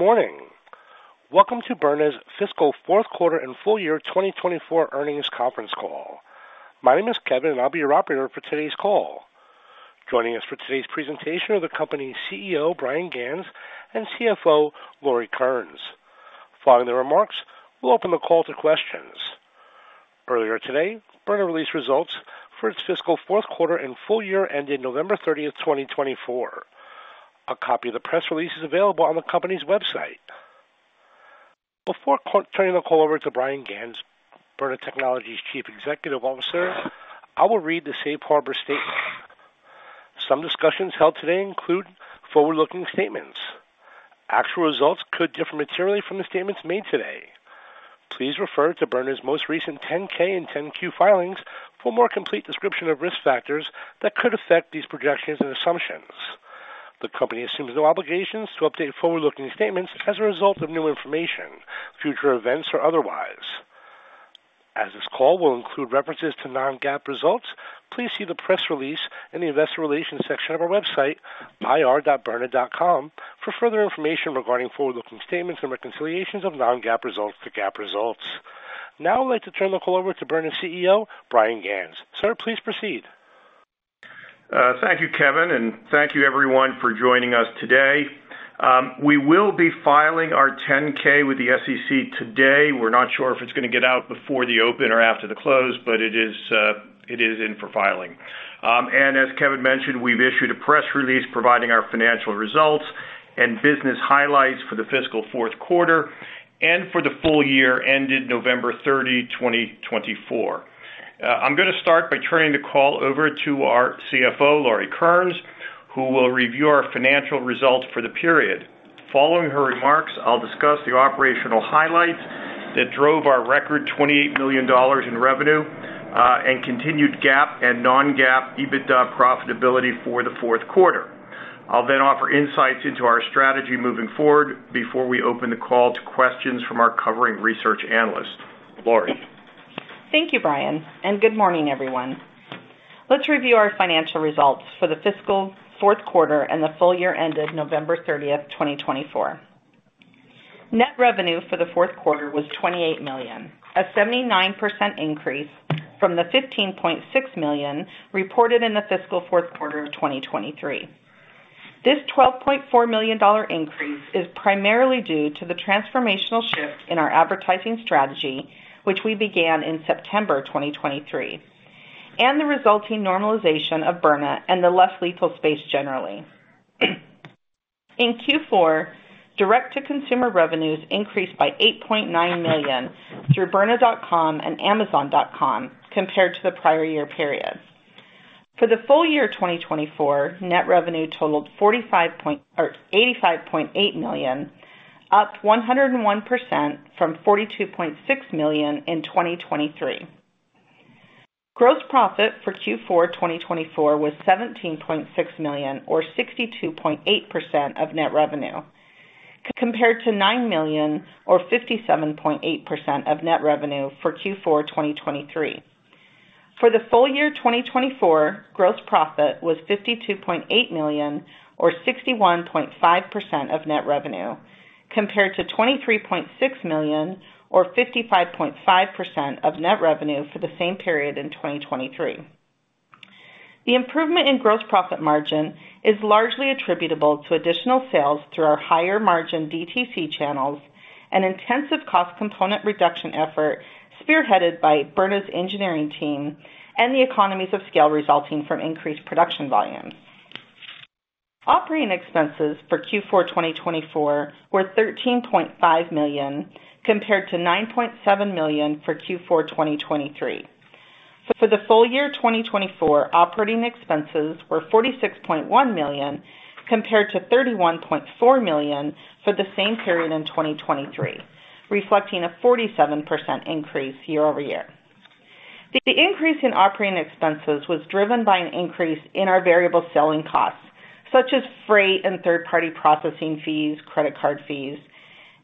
Good morning. Welcome to Byrna's Fiscal Fourth Quarter and Full Year 2024 Earnings Conference Call. My name is Kevin, and I'll be your operator for today's call. Joining us for today's presentation are the company's CEO, Bryan Ganz, and CFO, Lauri Kearnes. Following their remarks, we'll open the call to questions. Earlier today, Byrna released results for its fiscal fourth quarter and full year ending November 30th, 2024. A copy of the press release is available on the company's website. Before turning the call over to Bryan Ganz, Byrna Technologies' Chief Executive Officer, I will read the Safe Harbor Statement. Some discussions held today include forward-looking statements. Actual results could differ materially from the statements made today. Please refer to Byrna's most recent 10-K and 10-Q filings for a more complete description of risk factors that could affect these projections and assumptions. The company assumes no obligations to update forward-looking statements as a result of new information, future events, or otherwise. As this call will include references to non-GAAP results, please see the press release in the Investor Relations section of our website, ir.byrna.com, for further information regarding forward-looking statements and reconciliations of non-GAAP results to GAAP results. Now, I'd like to turn the call over to Byrna CEO, Bryan Ganz. Sir, please proceed. Thank you, Kevin, and thank you, everyone, for joining us today. We will be filing our 10-K with the SEC today. We're not sure if it's going to get out before the open or after the close, but it is in for filing. As Kevin mentioned, we've issued a press release providing our financial results and business highlights for the fiscal fourth quarter and for the full year ended November 30, 2024. I'm going to start by turning the call over to our CFO, Lauri Kearnes, who will review our financial results for the period. Following her remarks, I'll discuss the operational highlights that drove our record $28 million in revenue and continued GAAP and non-GAAP EBITDA profitability for the fourth quarter. I'll then offer insights into our strategy moving forward before we open the call to questions from our covering research analysts. Lauri. Thank you, Bryan, and good morning, everyone. Let's review our financial results for the fiscal fourth quarter and the full year ended November 30th, 2024. Net revenue for the fourth quarter was $28 million, a 79% increase from the $15.6 million reported in the fiscal fourth quarter of 2023. This $12.4 million increase is primarily due to the transformational shift in our advertising strategy, which we began in September 2023, and the resulting normalization of Byrna and the less lethal space generally. In Q4, direct-to-consumer revenues increased by $8.9 million through byrna.com and Amazon.com compared to the prior year period. For the full year 2024, net revenue totaled $85.8 million, up 101% from $42.6 million in 2023. Gross profit for Q4 2024 was $17.6 million, or 62.8% of net revenue, compared to $9 million, or 57.8% of net revenue for Q4 2023. For the full year 2024, gross profit was $52.8 million, or 61.5% of net revenue, compared to $23.6 million, or 55.5% of net revenue for the same period in 2023. The improvement in gross profit margin is largely attributable to additional sales through our higher-margin DTC channels and intensive cost component reduction effort spearheaded by Byrna's engineering team and the economies of scale resulting from increased production volumes. Operating expenses for Q4 2024 were $13.5 million, compared to $9.7 million for Q4 2023. For the full year 2024, operating expenses were $46.1 million, compared to $31.4 million for the same period in 2023, reflecting a 47% increase year over year. The increase in operating expenses was driven by an increase in our variable selling costs, such as freight and third-party processing fees, credit card fees,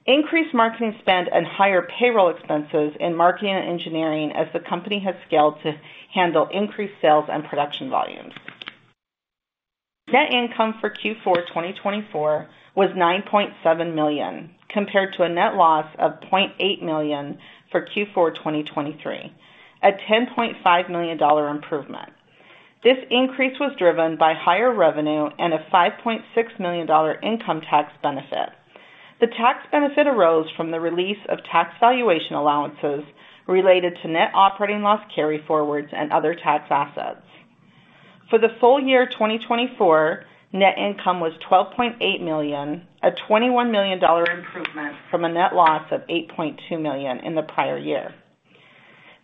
increased marketing spend, and higher payroll expenses in marketing and engineering as the company has scaled to handle increased sales and production volumes. Net income for Q4 2024 was $9.7 million, compared to a net loss of $0.8 million for Q4 2023, a $10.5 million improvement. This increase was driven by higher revenue and a $5.6 million income tax benefit. The tax benefit arose from the release of tax valuation allowances related to net operating loss carry forwards and other tax assets. For the full year 2024, net income was $12.8 million, a $21 million improvement from a net loss of $8.2 million in the prior year.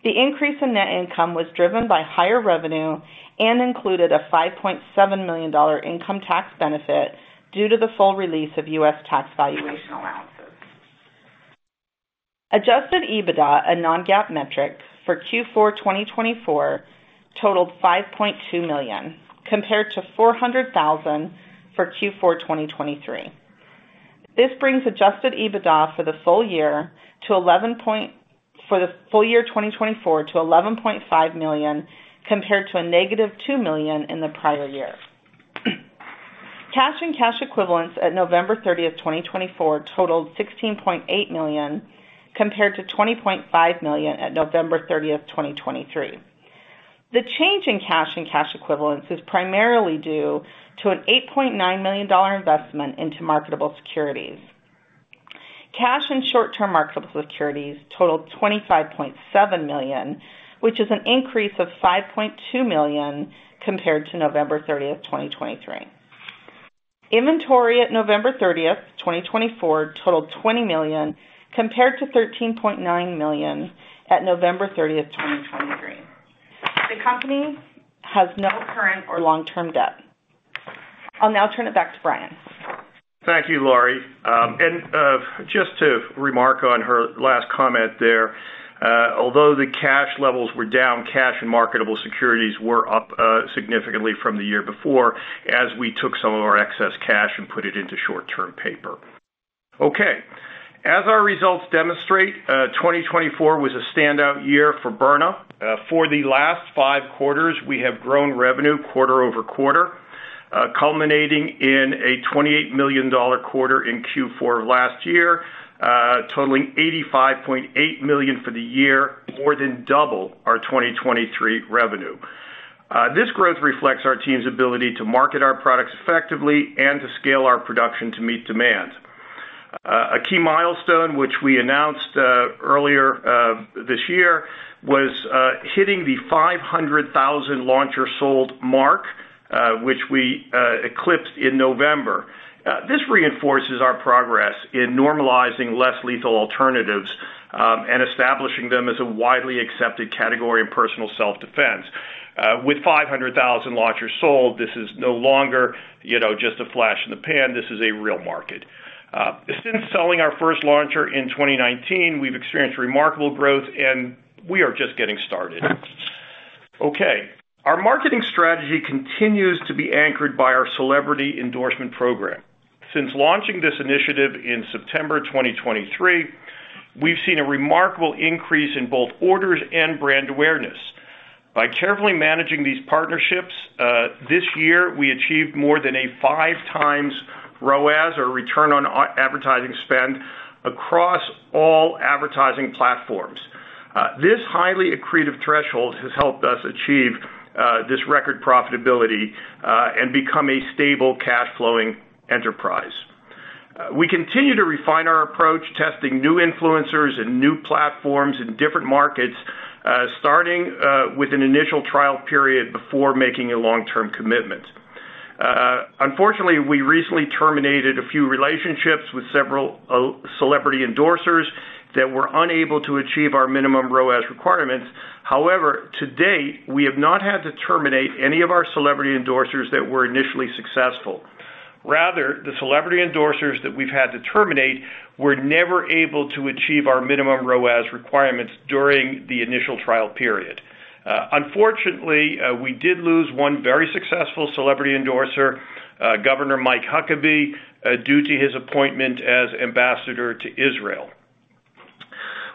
The increase in net income was driven by higher revenue and included a $5.7 million income tax benefit due to the full release of U.S. tax valuation allowances. Adjusted EBITDA, a non-GAAP metric for Q4 2024, totaled $5.2 million, compared to $400,000 for Q4 2023. This brings adjusted EBITDA for the full year to $11.5 million compared to a negative $2 million in the prior year. Cash and cash equivalents at November 30, 2024, totaled $16.8 million, compared to $20.5 million at November 30, 2023. The change in cash and cash equivalents is primarily due to an $8.9 million investment into marketable securities. Cash and short-term marketable securities totaled $25.7 million, which is an increase of $5.2 million compared to November 30th, 2023. Inventory at November 30th, 2024, totaled $20 million, compared to $13.9 million at November 30th, 2023. The company has no current or long-term debt. I'll now turn it back to Bryan. Thank you, Lauri, and just to remark on her last comment there, although the cash levels were down, cash and marketable securities were up significantly from the year before as we took some of our excess cash and put it into short-term paper. Okay. As our results demonstrate, 2024 was a standout year for Byrna. For the last five quarters, we have grown revenue quarter over quarter, culminating in a $28 million quarter in Q4 last year, totaling $85.8 million for the year, more than double our 2023 revenue. This growth reflects our team's ability to market our products effectively and to scale our production to meet demand. A key milestone, which we announced earlier this year, was hitting the 500,000 launchers sold mark, which we eclipsed in November. This reinforces our progress in normalizing less lethal alternatives and establishing them as a widely accepted category in personal self-defense. With 500,000 launchers sold, this is no longer just a flash in the pan. This is a real market. Since selling our first launcher in 2019, we've experienced remarkable growth, and we are just getting started. Okay. Our marketing strategy continues to be anchored by our celebrity endorsement program. Since launching this initiative in September 2023, we've seen a remarkable increase in both orders and brand awareness. By carefully managing these partnerships, this year, we achieved more than a five-times ROAS, or return on advertising spend, across all advertising platforms. This highly accretive threshold has helped us achieve this record profitability and become a stable cash-flowing enterprise. We continue to refine our approach, testing new influencers and new platforms in different markets, starting with an initial trial period before making a long-term commitment. Unfortunately, we recently terminated a few relationships with several celebrity endorsers that were unable to achieve our minimum ROAS requirements. However, to date, we have not had to terminate any of our celebrity endorsers that were initially successful. Rather, the celebrity endorsers that we've had to terminate were never able to achieve our minimum ROAS requirements during the initial trial period. Unfortunately, we did lose one very successful celebrity endorser, Governor Mike Huckabee, due to his appointment as ambassador to Israel.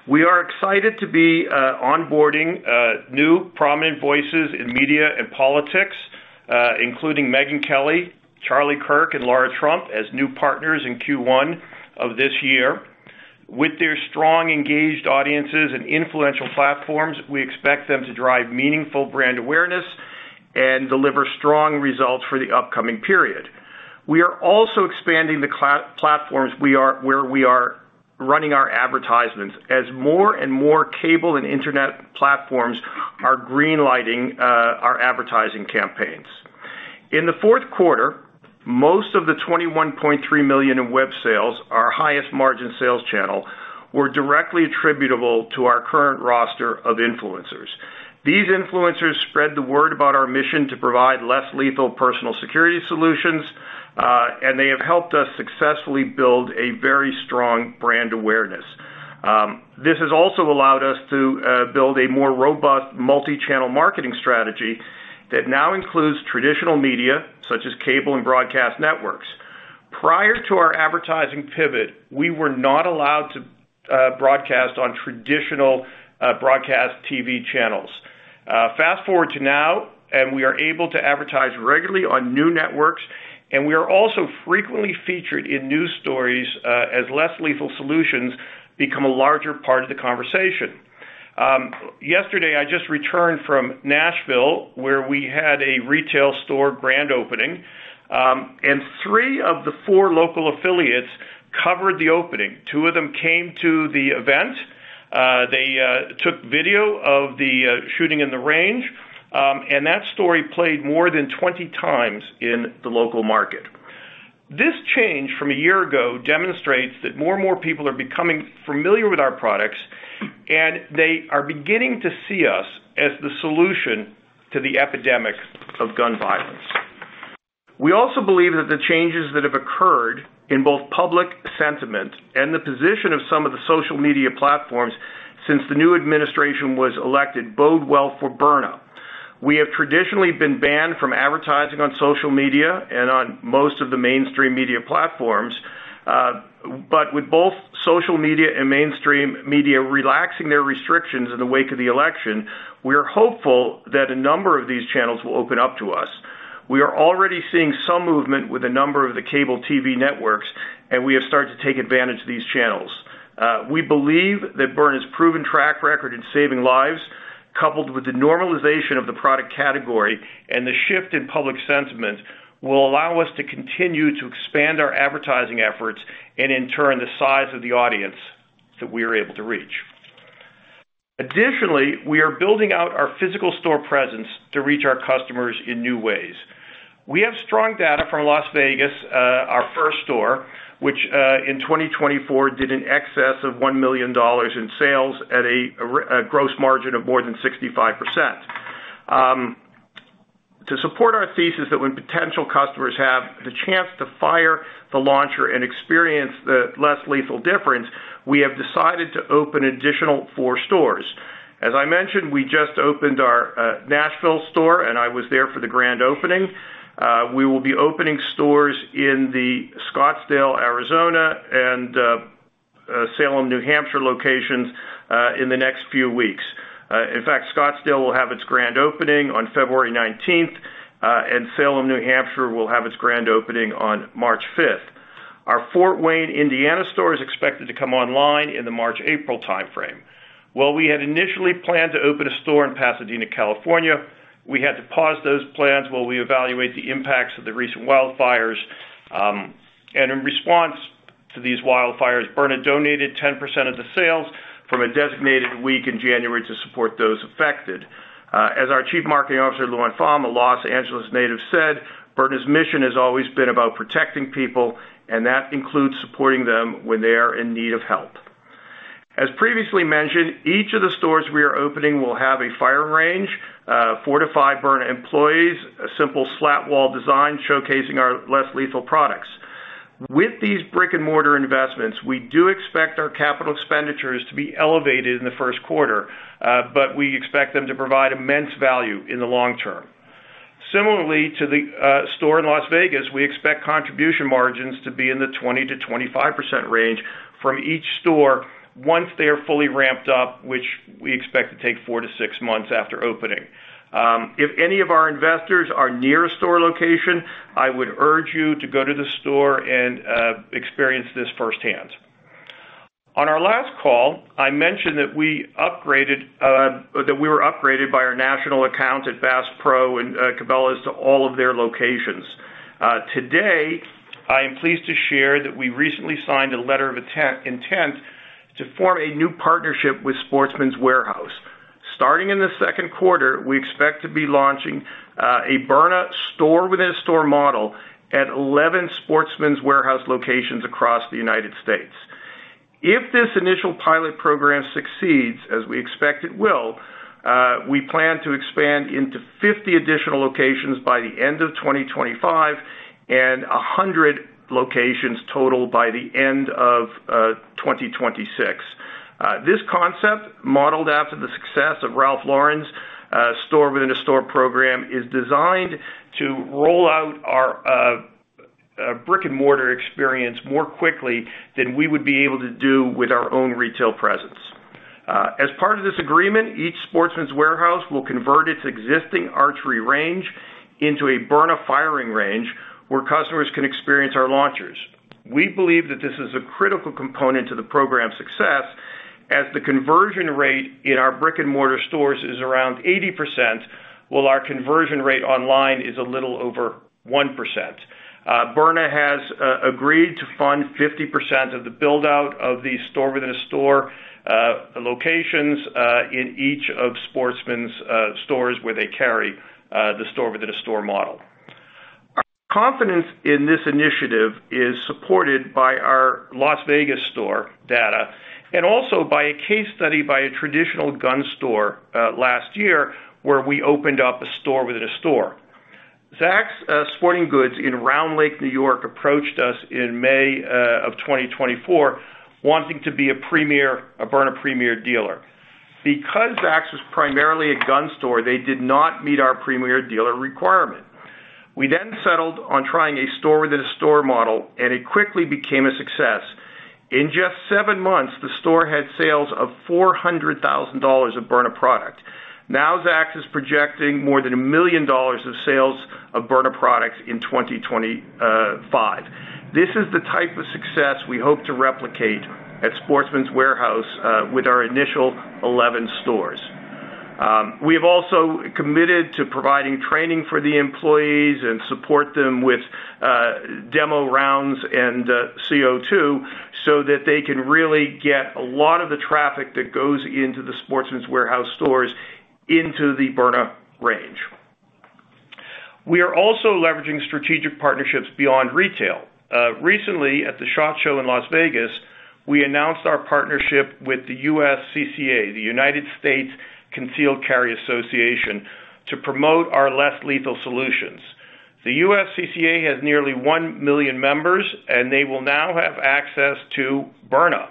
We are excited to be onboarding new prominent voices in media and politics, including Megyn Kelly, Charlie Kirk, and Lara Trump as new partners in Q1 of this year. With their strong, engaged audiences and influential platforms, we expect them to drive meaningful brand awareness and deliver strong results for the upcoming period. We are also expanding the platforms where we are running our advertisements as more and more cable and internet platforms are greenlighting our advertising campaigns. In the fourth quarter, most of the $21.3 million in web sales, our highest margin sales channel, were directly attributable to our current roster of influencers. These influencers spread the word about our mission to provide less lethal personal security solutions, and they have helped us successfully build a very strong brand awareness. This has also allowed us to build a more robust multi-channel marketing strategy that now includes traditional media such as cable and broadcast networks. Prior to our advertising pivot, we were not allowed to broadcast on traditional broadcast TV channels. Fast forward to now, and we are able to advertise regularly on new networks, and we are also frequently featured in news stories as less lethal solutions become a larger part of the conversation. Yesterday, I just returned from Nashville, where we had a retail store grand opening, and three of the four local affiliates covered the opening. Two of them came to the event. They took video of the shooting in the range, and that story played more than 20 times in the local market. This change from a year ago demonstrates that more and more people are becoming familiar with our products, and they are beginning to see us as the solution to the epidemic of gun violence. We also believe that the changes that have occurred in both public sentiment and the position of some of the social media platforms since the new administration was elected bode well for Byrna. We have traditionally been banned from advertising on social media and on most of the mainstream media platforms, but with both social media and mainstream media relaxing their restrictions in the wake of the election, we are hopeful that a number of these channels will open up to us. We are already seeing some movement with a number of the cable TV networks, and we have started to take advantage of these channels. We believe that Byrna's proven track record in saving lives, coupled with the normalization of the product category and the shift in public sentiment, will allow us to continue to expand our advertising efforts and, in turn, the size of the audience that we are able to reach. Additionally, we are building out our physical store presence to reach our customers in new ways. We have strong data from Las Vegas, our first store, which in 2024 did an excess of $1 million in sales at a gross margin of more than 65%. To support our thesis that when potential customers have the chance to fire the launcher and experience the less lethal difference, we have decided to open additional four stores. As I mentioned, we just opened our Nashville store, and I was there for the grand opening. We will be opening stores in the Scottsdale, Arizona, and Salem, New Hampshire locations in the next few weeks. In fact, Scottsdale will have its grand opening on February 19th, and Salem, New Hampshire will have its grand opening on March 5th. Our Fort Wayne, Indiana store is expected to come online in the March-April timeframe. While we had initially planned to open a store in Pasadena, California, we had to pause those plans while we evaluate the impacts of the recent wildfires. And in response to these wildfires, Byrna donated 10% of the sales from a designated week in January to support those affected. As our Chief Marketing Officer, Luan Pham, a Los Angeles native, said, Byrna's mission has always been about protecting people, and that includes supporting them when they are in need of help. As previously mentioned, each of the stores we are opening will have a firing range, four to five Byrna employees, a simple slat wall design showcasing our less lethal products. With these brick-and-mortar investments, we do expect our capital expenditures to be elevated in the first quarter, but we expect them to provide immense value in the long term. Similarly to the store in Las Vegas, we expect contribution margins to be in the 20%-25% range from each store once they are fully ramped up, which we expect to take four to six months after opening. If any of our investors are near a store location, I would urge you to go to the store and experience this firsthand. On our last call, I mentioned that we were upgraded by our national account at Bass Pro and Cabela's to all of their locations. Today, I am pleased to share that we recently signed a letter of intent to form a new partnership with Sportsman's Warehouse. Starting in the second quarter, we expect to be launching a Byrna store-within-a-store model at 11 Sportsman's Warehouse locations across the United States. If this initial pilot program succeeds, as we expect it will, we plan to expand into 50 additional locations by the end of 2025 and 100 locations total by the end of 2026. This concept, modeled after the success of Ralph Lauren's store-within-a-store program, is designed to roll out our brick-and-mortar experience more quickly than we would be able to do with our own retail presence. As part of this agreement, each Sportsman's Warehouse will convert its existing archery range into a Byrna firing range where customers can experience our launchers. We believe that this is a critical component to the program's success, as the conversion rate in our brick-and-mortar stores is around 80%, while our conversion rate online is a little over 1%. Byrna has agreed to fund 50% of the build-out of these store-within-a-store locations in each of Sportsman's Warehouse stores where they carry the store-within-a-store model. Our confidence in this initiative is supported by our Las Vegas store data and also by a case study by a traditional gun store last year where we opened up a store-within-a-store. Zack's Sporting Goods in Round Lake, New York, approached us in May of 2024 wanting to be a Byrna Premier dealer. Because Zack's was primarily a gun store, they did not meet our Premier dealer requirement. We then settled on trying a store-within-a-store model, and it quickly became a success. In just seven months, the store had sales of $400,000 of Byrna product. Now, Zack's is projecting more than $1 million of sales of Byrna products in 2025. This is the type of success we hope to replicate at Sportsman's Warehouse with our initial 11 stores. We have also committed to providing training for the employees and support them with demo rounds and CO2 so that they can really get a lot of the traffic that goes into the Sportsman's Warehouse stores into the Byrna range. We are also leveraging strategic partnerships beyond retail. Recently, at the SHOT Show in Las Vegas, we announced our partnership with the USCCA, the United States Concealed Carry Association, to promote our less lethal solutions. The USCCA has nearly 1 million members, and they will now have access to Byrna.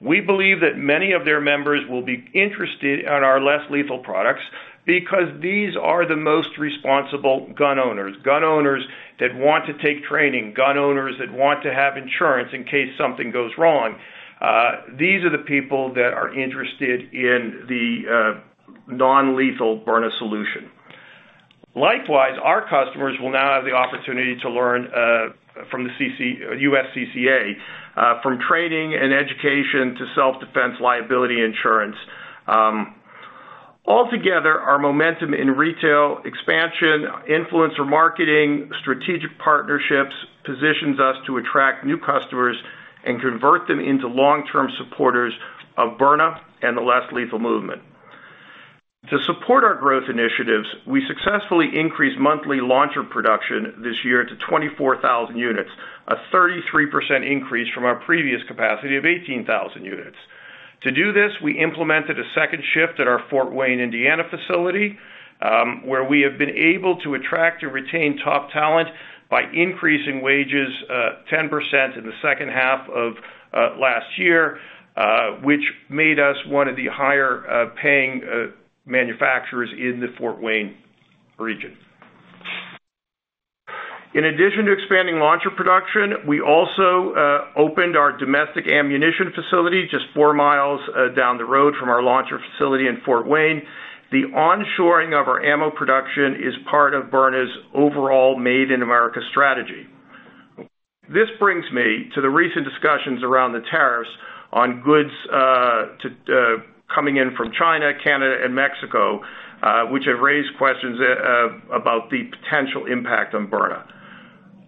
We believe that many of their members will be interested in our less lethal products because these are the most responsible gun owners, gun owners that want to take training, gun owners that want to have insurance in case something goes wrong. These are the people that are interested in the non-lethal Byrna solution. Likewise, our customers will now have the opportunity to learn from the USCCA, from training and education to self-defense liability insurance. Altogether, our momentum in retail expansion, influencer marketing, strategic partnerships positions us to attract new customers and convert them into long-term supporters of Byrna and the less lethal movement. To support our growth initiatives, we successfully increased monthly launcher production this year to 24,000 units, a 33% increase from our previous capacity of 18,000 units. To do this, we implemented a second shift at our Fort Wayne, Indiana facility, where we have been able to attract and retain top talent by increasing wages 10% in the second half of last year, which made us one of the higher-paying manufacturers in the Fort Wayne region. In addition to expanding launcher production, we also opened our domestic ammunition facility just four miles down the road from our launcher facility in Fort Wayne. The onshoring of our ammo production is part of Byrna's overall Made in America strategy. This brings me to the recent discussions around the tariffs on goods coming in from China, Canada, and Mexico, which have raised questions about the potential impact on Byrna.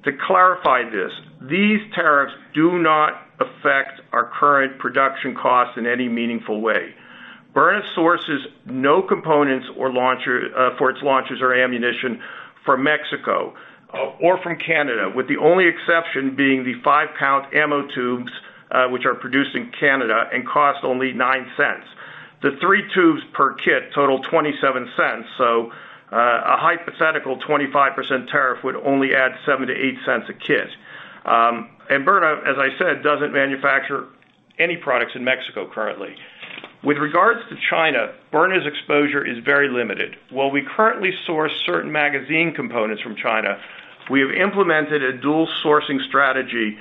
To clarify this, these tariffs do not affect our current production costs in any meaningful way. Byrna sources no components for its launchers or ammunition from Mexico or from Canada, with the only exception being the five-pound ammo tubes, which are produced in Canada and cost only $0.09. The three tubes per kit total $0.27, so a hypothetical 25% tariff would only add $0.07-$0.08 a kit, and Byrna, as I said, doesn't manufacture any products in Mexico currently. With regards to China, Byrna's exposure is very limited. While we currently source certain magazine components from China, we have implemented a dual sourcing strategy,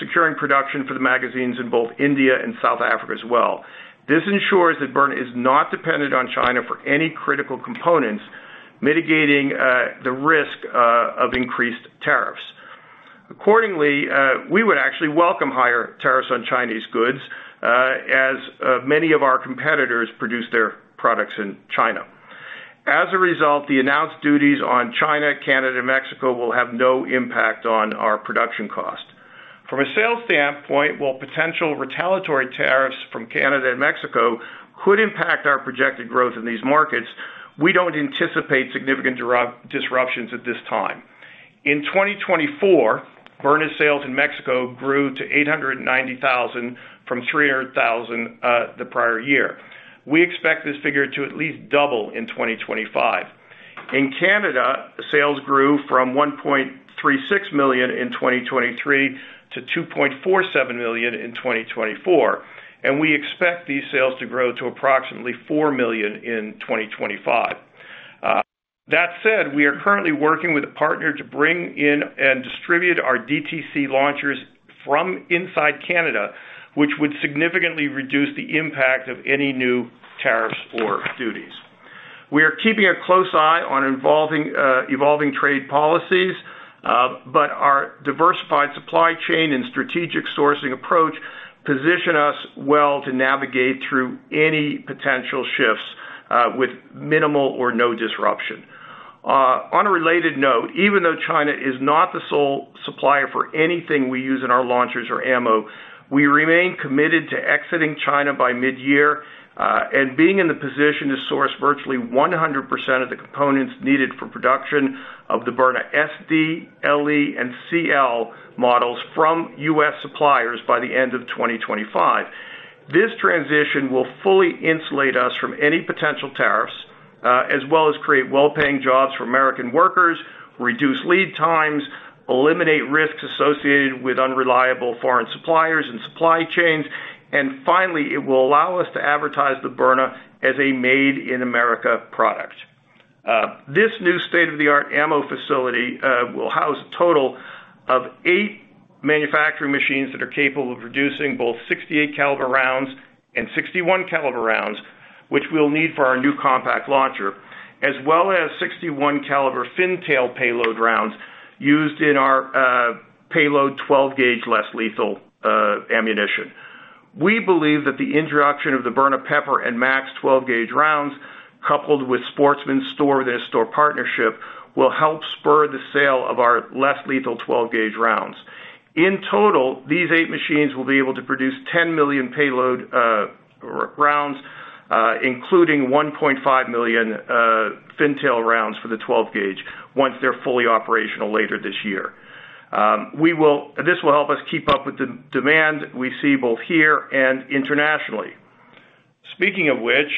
securing production for the magazines in both India and South Africa as well. This ensures that Byrna is not dependent on China for any critical components, mitigating the risk of increased tariffs. Accordingly, we would actually welcome higher tariffs on Chinese goods, as many of our competitors produce their products in China. As a result, the announced duties on China, Canada, and Mexico will have no impact on our production cost. From a sales standpoint, while potential retaliatory tariffs from Canada and Mexico could impact our projected growth in these markets, we don't anticipate significant disruptions at this time. In 2024, Byrna's sales in Mexico grew to $890,000 from $300,000 the prior year. We expect this figure to at least double in 2025. In Canada, sales grew from $1.36 million in 2023 to $2.47 million in 2024, and we expect these sales to grow to approximately $4 million in 2025. That said, we are currently working with a partner to bring in and distribute our DTC launchers from inside Canada, which would significantly reduce the impact of any new tariffs or duties. We are keeping a close eye on evolving trade policies, but our diversified supply chain and strategic sourcing approach position us well to navigate through any potential shifts with minimal or no disruption. On a related note, even though China is not the sole supplier for anything we use in our launchers or ammo, we remain committed to exiting China by mid-year and being in the position to source virtually 100% of the components needed for production of the Byrna SD, LE, and CL models from U.S. suppliers by the end of 2025. This transition will fully insulate us from any potential tariffs, as well as create well-paying jobs for American workers, reduce lead times, eliminate risks associated with unreliable foreign suppliers and supply chains, and finally, it will allow us to advertise the Byrna as a Made in America product. This new state-of-the-art ammo facility will house a total of eight manufacturing machines that are capable of producing both 68-caliber rounds and 61-caliber rounds, which we'll need for our new compact launcher, as well as 61-caliber fin-tail payload rounds used in our payload 12-gauge less lethal ammunition. We believe that the introduction of the Byrna Pepper and Max 12-gauge rounds, coupled with Sportsman's store-within-a-store partnership, will help spur the sale of our less lethal 12-gauge rounds. In total, these eight machines will be able to produce 10 million payload rounds, including 1.5 million fin-tail rounds for the 12-gauge once they're fully operational later this year. This will help us keep up with the demand we see both here and internationally. Speaking of which,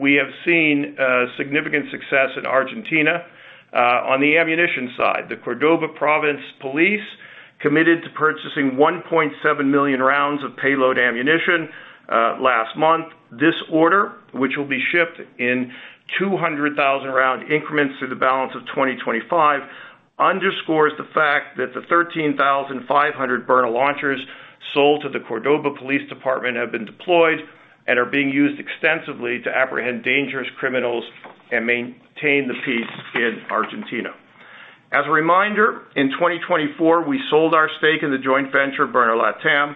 we have seen significant success in Argentina. On the ammunition side, the Cordoba Province Police committed to purchasing 1.7 million rounds of payload ammunition last month. This order, which will be shipped in 200,000-round increments through the balance of 2025, underscores the fact that the 13,500 Byrna launchers sold to the Cordoba Police Department have been deployed and are being used extensively to apprehend dangerous criminals and maintain the peace in Argentina. As a reminder, in 2024, we sold our stake in the joint venture Byrna LATAM,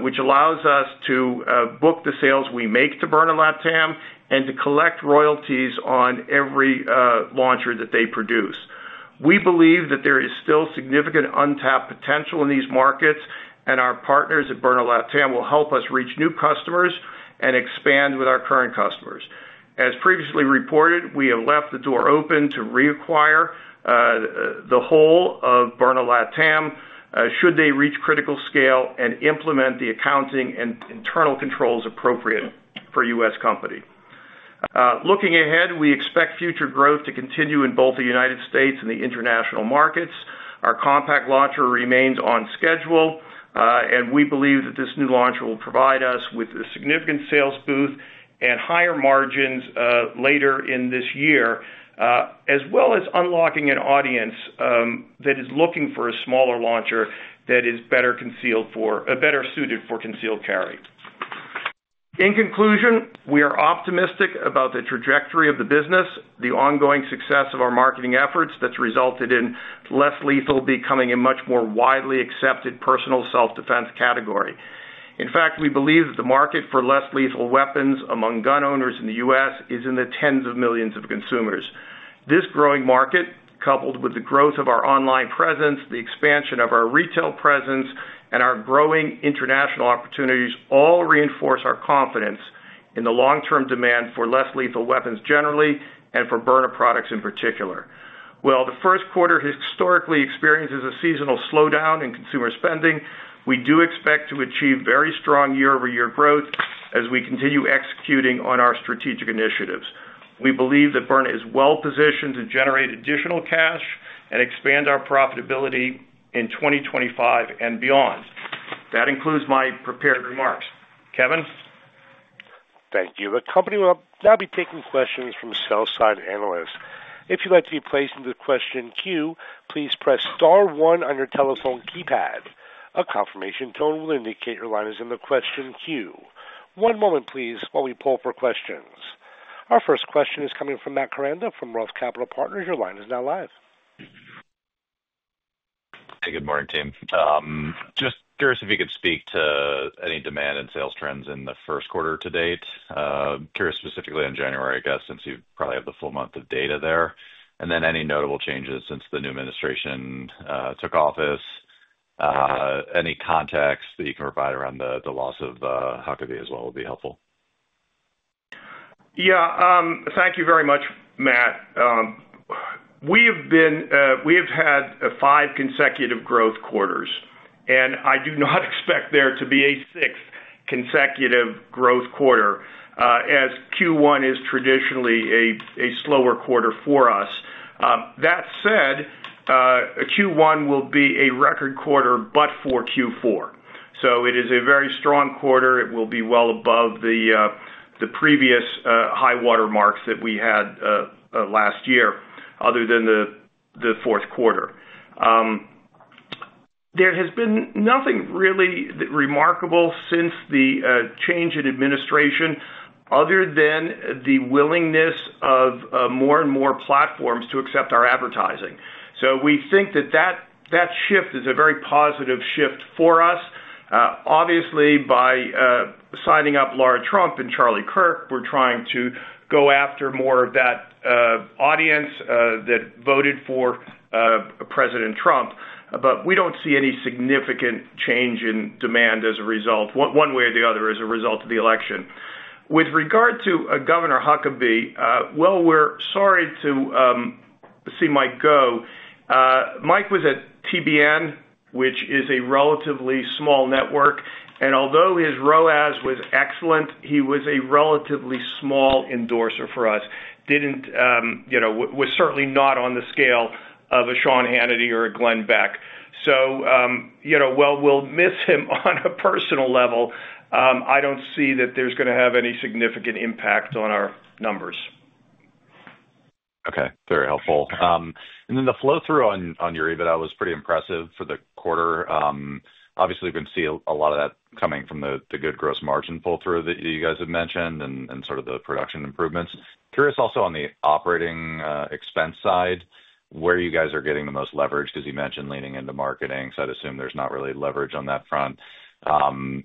which allows us to book the sales we make to Byrna LATAM and to collect royalties on every launcher that they produce. We believe that there is still significant untapped potential in these markets, and our partners at Byrna LATAM will help us reach new customers and expand with our current customers. As previously reported, we have left the door open to reacquire the whole of Byrna LATAM should they reach critical scale and implement the accounting and internal controls appropriate for U.S. company. Looking ahead, we expect future growth to continue in both the United States and the international markets. Our compact launcher remains on schedule, and we believe that this new launcher will provide us with a significant sales boost and higher margins later in this year, as well as unlocking an audience that is looking for a smaller launcher that is better suited for concealed carry. In conclusion, we are optimistic about the trajectory of the business, the ongoing success of our marketing efforts that's resulted in less lethal becoming a much more widely accepted personal self-defense category. In fact, we believe that the market for less lethal weapons among gun owners in the U.S. is in the tens of millions of consumers. This growing market, coupled with the growth of our online presence, the expansion of our retail presence, and our growing international opportunities, all reinforce our confidence in the long-term demand for less lethal weapons generally and for Byrna products in particular. While the first quarter historically experiences a seasonal slowdown in consumer spending, we do expect to achieve very strong year-over-year growth as we continue executing on our strategic initiatives. We believe that Byrna is well-positioned to generate additional cash and expand our profitability in 2025 and beyond. That includes my prepared remarks. Kevin. Thank you. A company will now be taking questions from sell-side analysts. If you'd like to be placed in the question queue, please press star one on your telephone keypad. A confirmation tone will indicate your line is in the question queue. One moment, please, while we pull up our questions. Our first question is coming from Matt Koranda from Roth Capital Partners. Your line is now live. Hey, good morning, team. Just curious if you could speak to any demand and sales trends in the first quarter to date. Curious specifically in January, I guess, since you probably have the full month of data there. And then any notable changes since the new administration took office? Any context that you can provide around the loss of Huckabee as well would be helpful. Yeah. Thank you very much, Matt. We have had five consecutive growth quarters, and I do not expect there to be a sixth consecutive growth quarter, as Q1 is traditionally a slower quarter for us. That said, Q1 will be a record quarter, but for Q4. So it is a very strong quarter. It will be well above the previous high-water marks that we had last year, other than the fourth quarter. There has been nothing really remarkable since the change in administration, other than the willingness of more and more platforms to accept our advertising. So we think that that shift is a very positive shift for us. Obviously, by signing up Lara Trump and Charlie Kirk, we're trying to go after more of that audience that voted for President Trump. But we don't see any significant change in demand as a result, one way or the other, as a result of the election. With regard to Governor Huckabee, while we're sorry to see Mike go, Mike was at TBN, which is a relatively small network. And although his ROAS was excellent, he was a relatively small endorser for us, was certainly not on the scale of a Sean Hannity or a Glenn Beck. So while we'll miss him on a personal level, I don't see that there's going to have any significant impact on our numbers. Okay. Very helpful. And then the flow-through on your event was pretty impressive for the quarter. Obviously, we can see a lot of that coming from the good gross margin pull-through that you guys have mentioned and sort of the production improvements. Curious also on the operating expense side, where you guys are getting the most leverage, because you mentioned leaning into marketing, so I'd assume there's not really leverage on that front.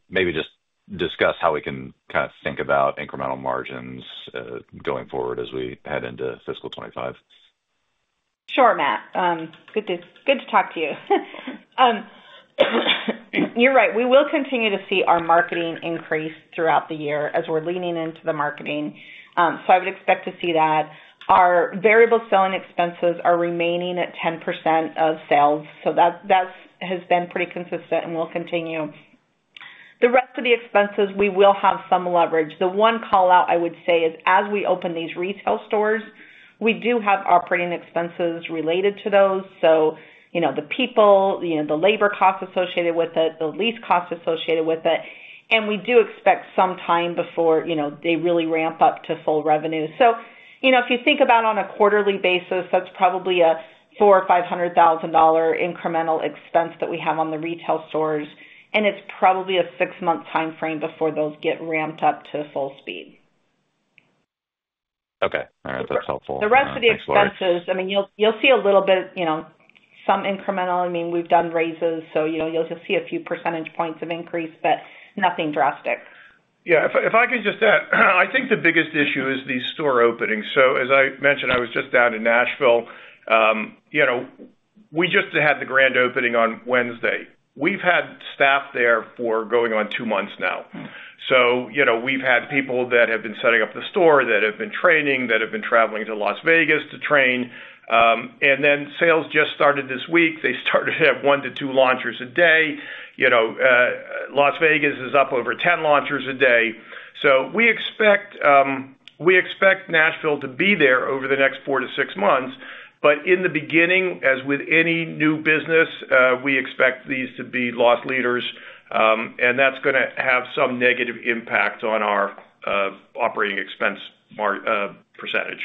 Maybe just discuss how we can kind of think about incremental margins going forward as we head into fiscal 2025. Sure, Matt. Good to talk to you. You're right. We will continue to see our marketing increase throughout the year as we're leaning into the marketing. So I would expect to see that. Our variable selling expenses are remaining at 10% of sales, so that has been pretty consistent and will continue. The rest of the expenses, we will have some leverage. The one callout I would say is, as we open these retail stores, we do have operating expenses related to those. So the people, the labor costs associated with it, the lease costs associated with it. And we do expect some time before they really ramp up to full revenue. So if you think about on a quarterly basis, that's probably a $400,000-$500,000 incremental expense that we have on the retail stores, and it's probably a six-month timeframe before those get ramped up to full speed. Okay. All right. That's helpful. The rest of the expenses, I mean, you'll see a little bit, some incremental. I mean, we've done raises, so you'll see a few percentage points of increase, but nothing drastic. Yeah. If I can just add, I think the biggest issue is these store openings. So as I mentioned, I was just down in Nashville. We just had the grand opening on Wednesday. We've had staff there for going on two months now. So we've had people that have been setting up the store, that have been training, that have been traveling to Las Vegas to train. And then sales just started this week. They started at one to two launchers a day. Las Vegas is up over 10 launchers a day. So we expect Nashville to be there over the next four to six months. But in the beginning, as with any new business, we expect these to be loss leaders, and that's going to have some negative impact on our operating expense percentage.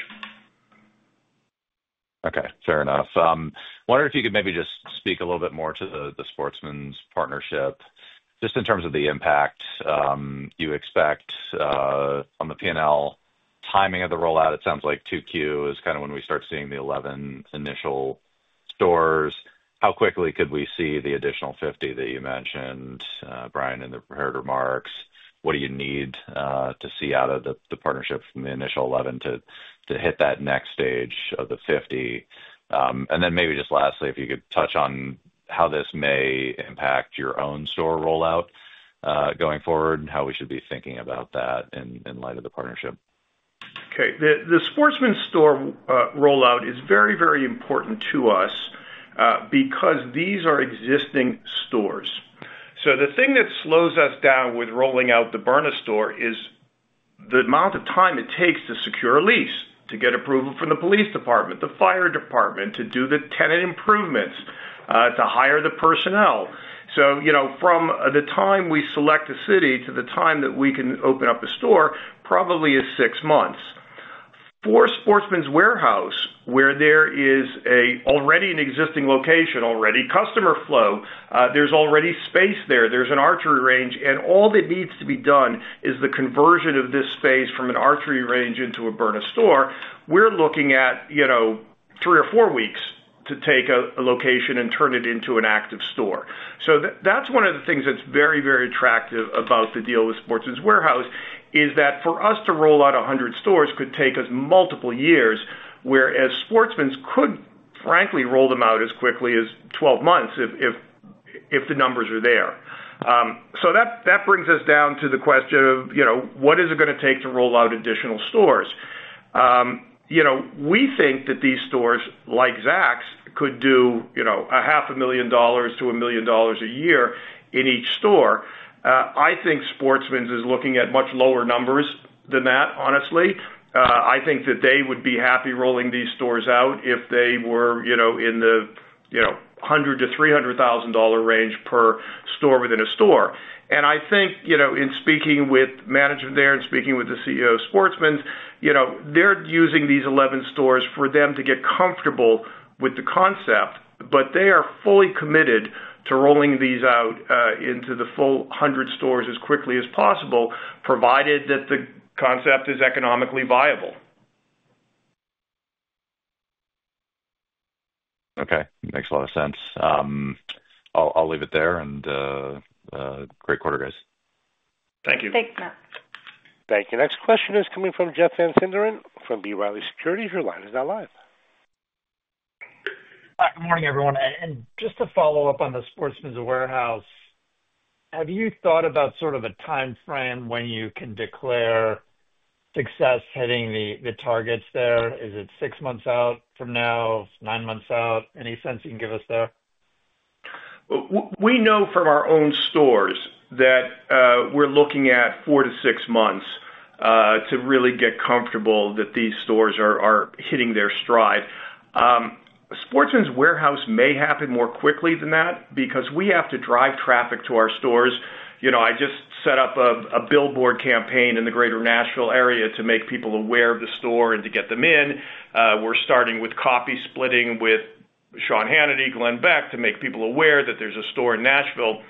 Okay. Fair enough. Wonder if you could maybe just speak a little bit more to the Sportsman's partnership, just in terms of the impact you expect on the P&L. Timing of the rollout, it sounds like 2Q is kind of when we start seeing the 11 initial stores. How quickly could we see the additional 50 that you mentioned, Bryan, in the prepared remarks? What do you need to see out of the partnership from the initial 11 to hit that next stage of the 50? And then maybe just lastly, if you could touch on how this may impact your own store rollout going forward, how we should be thinking about that in light of the partnership. Okay. The Sportsman's store rollout is very, very important to us because these are existing stores. So the thing that slows us down with rolling out the Byrna store is the amount of time it takes to secure a lease, to get approval from the police department, the fire department, to do the tenant improvements, to hire the personnel. So from the time we select a city to the time that we can open up a store, probably is six months. For Sportsman's Warehouse, where there is already an existing location, already customer flow, there's already space there, there's an archery range, and all that needs to be done is the conversion of this space from an archery range into a Byrna store, we're looking at three or four weeks to take a location and turn it into an active store. So that's one of the things that's very, very attractive about the deal with Sportsman's Warehouse, is that for us to roll out 100 stores could take us multiple years, whereas Sportsman's could, frankly, roll them out as quickly as 12 months if the numbers are there. So that brings us down to the question of, what is it going to take to roll out additional stores? We think that these stores, like Zack's, could do $500,000-$1 million a year in each store. I think Sportsman's is looking at much lower numbers than that, honestly. I think that they would be happy rolling these stores out if they were in the $100,000-$300,000 range per store within a store. And I think, in speaking with management there and speaking with the CEO of Sportsman's, they're using these 11 stores for them to get comfortable with the concept, but they are fully committed to rolling these out into the full 100 stores as quickly as possible, provided that the concept is economically viable. Okay. Makes a lot of sense. I'll leave it there, and great quarter, guys. Thank you. Thanks, Matt. Thank you. Next question is coming from Jeff Van Sinderen from B Riley Securities. Your line is now live. Hi. Good morning, everyone. Just to follow up on the Sportsman's Warehouse, have you thought about sort of a timeframe when you can declare success hitting the targets there? Is it six months out from now, nine months out? Any sense you can give us there? We know from our own stores that we're looking at four to six months to really get comfortable that these stores are hitting their stride. Sportsman's Warehouse may happen more quickly than that because we have to drive traffic to our stores. I just set up a billboard campaign in the greater Nashville area to make people aware of the store and to get them in. We're starting with copy splitting with Sean Hannity, Glenn Beck, to make people aware that there's a store in Nashville.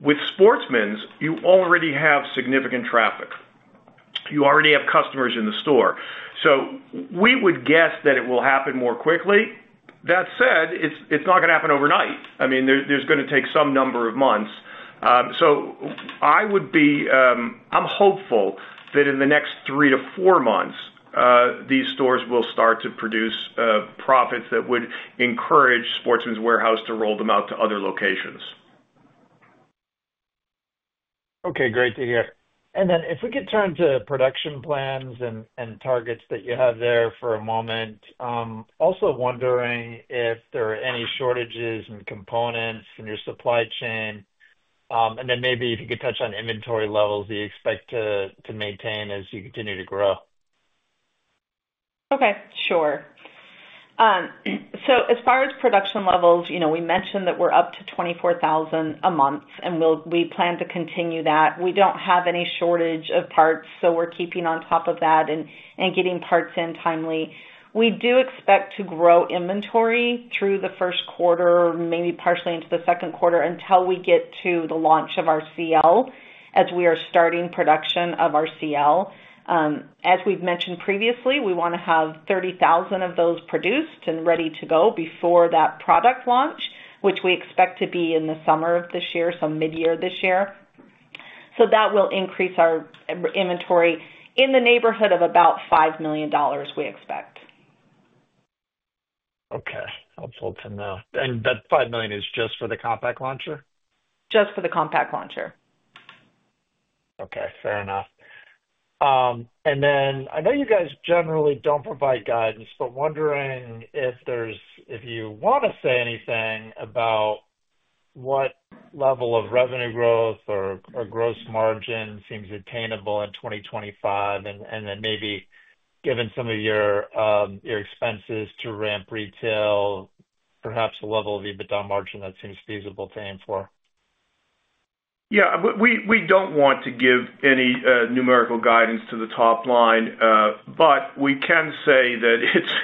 With Sportsman's, you already have significant traffic. You already have customers in the store. So we would guess that it will happen more quickly. That said, it's not going to happen overnight. I mean, there's going to take some number of months. So I'm hopeful that in the next three to four months, these stores will start to produce profits that would encourage Sportsman's Warehouse to roll them out to other locations. Okay. Great to hear. And then if we could turn to production plans and targets that you have there for a moment. Also wondering if there are any shortages and components in your supply chain. And then maybe if you could touch on inventory levels that you expect to maintain as you continue to grow. Okay. Sure. So as far as production levels, we mentioned that we're up to 24,000 a month, and we plan to continue that. We don't have any shortage of parts, so we're keeping on top of that and getting parts in timely. We do expect to grow inventory through the first quarter, maybe partially into the second quarter, until we get to the launch of our CL, as we are starting production of our CL. As we've mentioned previously, we want to have 30,000 of those produced and ready to go before that product launch, which we expect to be in the summer of this year, so mid-year this year. So that will increase our inventory in the neighborhood of about $5 million, we expect. Okay. Helpful to know. And that $5 million is just for the Compact Launcher? Just for the Compact Launcher. Okay. Fair enough. And then I know you guys generally don't provide guidance, but wondering if you want to say anything about what level of revenue growth or gross margin seems attainable in 2025, and then maybe given some of your expenses to ramp retail, perhaps the level of EBITDA margin that seems feasible to aim for. Yeah. We don't want to give any numerical guidance to the top line, but we can say that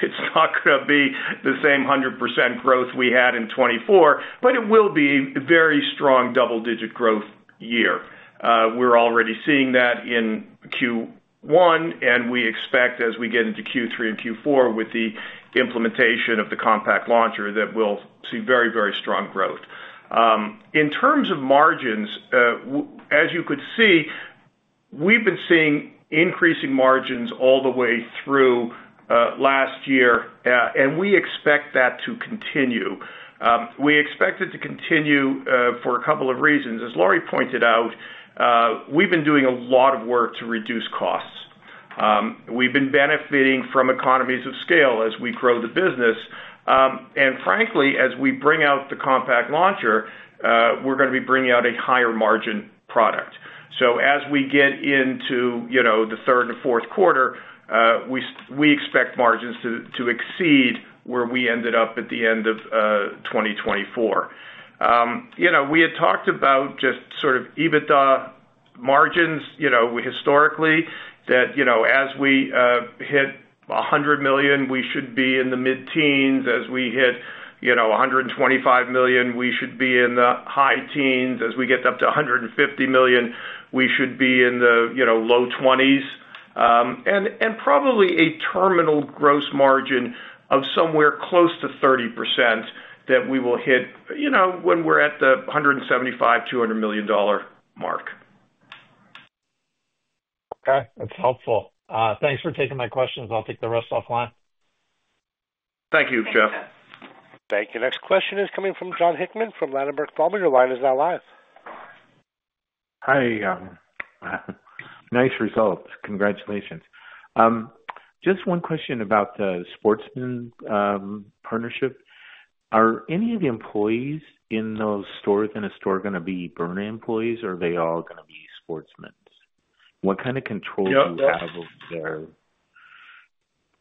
it's not going to be the same 100% growth we had in 2024, but it will be a very strong double-digit growth year. We're already seeing that in Q1, and we expect, as we get into Q3 and Q4, with the implementation of the Compact Launcher, that we'll see very, very strong growth. In terms of margins, as you could see, we've been seeing increasing margins all the way through last year, and we expect that to continue. We expect it to continue for a couple of reasons. As Lauri pointed out, we've been doing a lot of work to reduce costs. We've been benefiting from economies of scale as we grow the business. And frankly, as we bring out the Compact Launcher, we're going to be bringing out a higher margin product. So as we get into the third and fourth quarter, we expect margins to exceed where we ended up at the end of 2024. We had talked about just sort of EBITDA margins historically, that as we hit $100 million, we should be in the mid-teens. As we hit $125 million, we should be in the high-teens. As we get up to $150 million, we should be in the low 20s. And probably a terminal gross margin of somewhere close to 30% that we will hit when we're at the $175-$200 million mark. Okay. That's helpful. Thanks for taking my questions. I'll take the rest offline. Thank you, Jeff. Thank you. Next question is coming from Jon Hickman from Ladenburg Thalmann. Your line is now live. Hi. Nice results. Congratulations. Just one question about the Sportsman's partnership. Are any of the employees in those stores in a store going to be Byrna employees, or are they all going to be Sportsman's? What kind of control do you have over their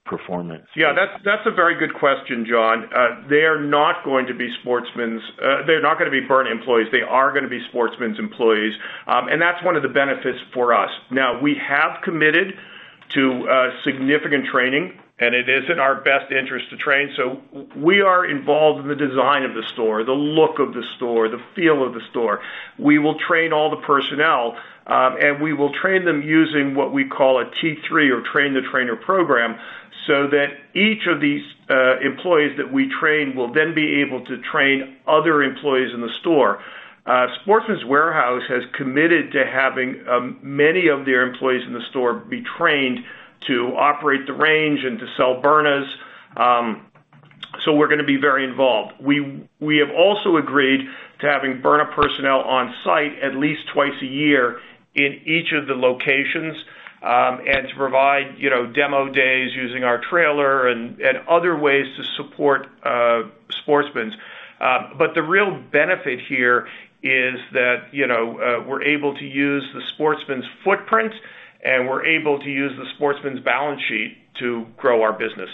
performance? Yeah. That's a very good question, Jon. They are not going to be Sportsman's. They're not going to be Byrna employees. They are going to be Sportsman's employees. And that's one of the benefits for us. Now, we have committed to significant training, and it is in our best interest to train. So we are involved in the design of the store, the look of the store, the feel of the store. We will train all the personnel, and we will train them using what we call a T3 or train-the-trainer program so that each of these employees that we train will then be able to train other employees in the store. Sportsman's Warehouse has committed to having many of their employees in the store be trained to operate the range and to sell Byrnas, so we're going to be very involved. We have also agreed to having Byrna personnel on site at least twice a year in each of the locations and to provide demo days using our trailer and other ways to support Sportsman's, but the real benefit here is that we're able to use the Sportsman's footprint, and we're able to use the Sportsman's balance sheet to grow our business.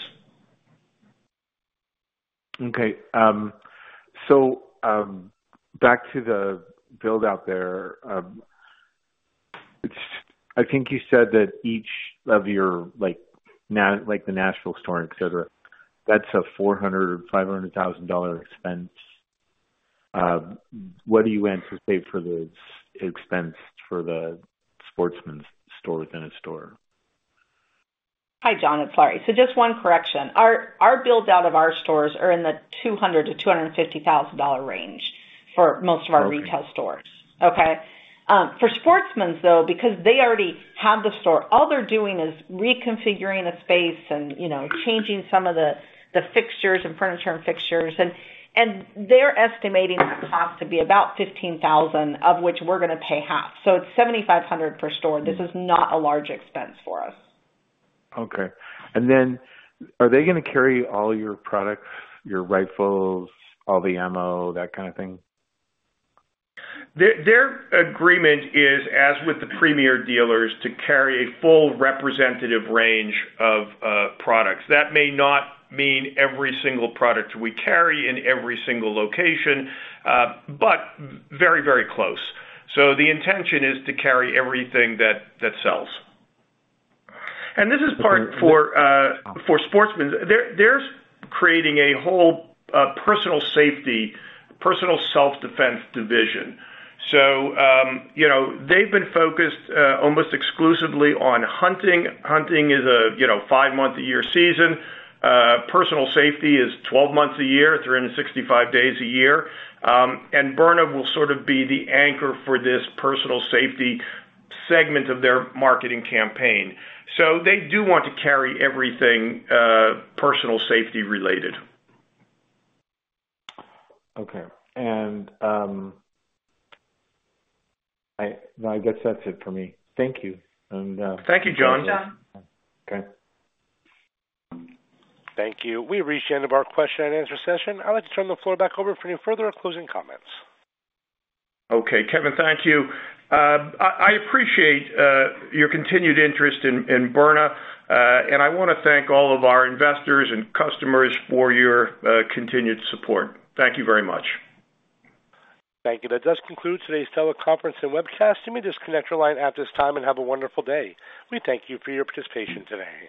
Okay. So back to the build-out there, I think you said that each of your, like the Nashville store, etc., that's a $400,000-$500,000 expense. What do you anticipate for the expense for the Sportsman's store within a store? Hi, Jon. It's Lauri. Just one correction. Our build-out of our stores are in the $200,000-$250,000 range for most of our retail stores. Okay. For Sportsman's, though, because they already have the store, all they're doing is reconfiguring the space and changing some of the fixtures and furniture. And they're estimating the cost to be about $15,000, of which we're going to pay half. So it's $7,500 per store. This is not a large expense for us. Okay. And then are they going to carry all your products, your rifles, all the ammo, that kind of thing? Their agreement is, as with the Premier dealers, to carry a full representative range of products. That may not mean every single product we carry in every single location, but very, very close. So the intention is to carry everything that sells. And this is part for Sportsman's. They're creating a whole personal safety, personal self-defense division. So they've been focused almost exclusively on hunting. Hunting is a five-month-a-year season. Personal safety is 12 months a year, 365 days a year. And Byrna will sort of be the anchor for this personal safety segment of their marketing campaign. So they do want to carry everything personal safety related. Okay. And I guess that's it for me. Thank you. And thank you, Jon. Thank you, Jon. Okay. Thank you. We reached the end of our question and answer session. I'd like to turn the floor back over for any further closing comments. Okay. Kevin, thank you. I appreciate your continued interest in Byrna, and I want to thank all of our investors and customers for your continued support. Thank you very much. Thank you. That does conclude today's teleconference and webcast. You may disconnect your line at this time and have a wonderful day. We thank you for your participation today.